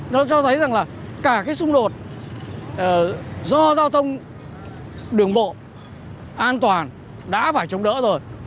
nó cho thấy rằng là cả cái xung đột do giao thông đường bộ an toàn đã phải chống đỡ rồi